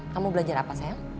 kamu belajar apa sayang